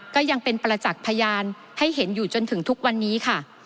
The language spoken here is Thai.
ก็ยังเป็นประจักษ์พยานให้เห็นอยู่จนถึงทุกวันนี้ค่ะ